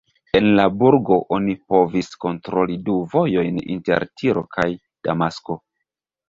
El la burgo oni povis kontroli du vojojn inter Tiro kaj Damasko.